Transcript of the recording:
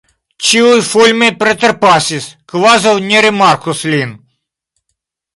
Ĉiuj fulme preterpasis, kvazaŭ ne rimarkus lin.